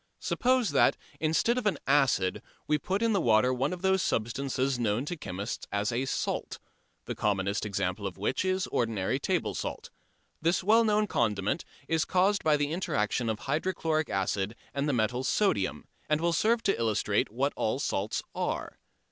Suppose that, instead of an acid, we put in the water one of those substances known to chemists as a "salt," the commonest example of which is ordinary table salt. This well known condiment is caused by the interaction of hydrochloric acid and the metal sodium and will serve to illustrate what all salts are.